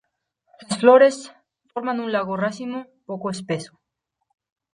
Las flores, forman un largo racimo, poco espeso.